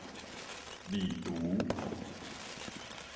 離櫥